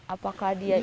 apakah dia ini